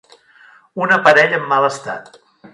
Un aparell en mal estat.